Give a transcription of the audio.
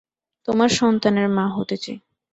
তোমার সন্তানের মা হতে চাই।